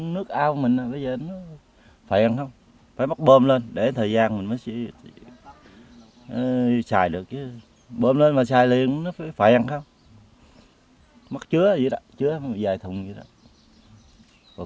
nước ao mình bây giờ nó phèn không phải mắc bơm lên để thời gian mình mới xài được chứ bơm lên mà xài liền nó phải phèn không mắc chứa vậy đó chứa vài thùng vậy đó